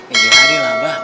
iya adilah mbah